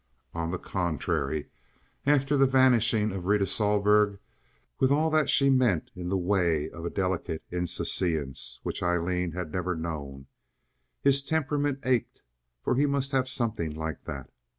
On the contrary, after the vanishing of Rita Sohlberg, with all that she meant in the way of a delicate insouciance which Aileen had never known, his temperament ached, for he must have something like that.